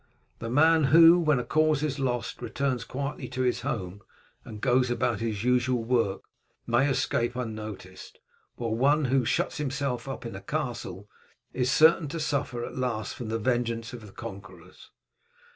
The man who, when a cause is lost, returns quietly to his home and goes about his usual work may escape unnoticed, while one who shuts himself up in a castle is certain to suffer at last from the vengeance of the conquerors.